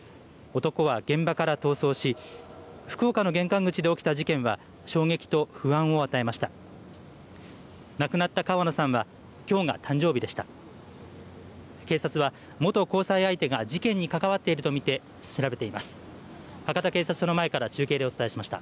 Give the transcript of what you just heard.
男は現場から逃走し福岡の玄関口で起きた事件は衝撃と不安を与えました。